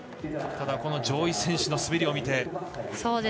ただこの上位選手の滑りを見て。